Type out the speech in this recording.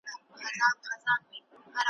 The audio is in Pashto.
ور اغوستي یې په پښو کي وه زنګونه `